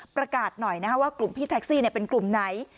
ประกาศหน่อยว่ากลุ่มพี่แท็กซี่เป็นกลุ่มไหน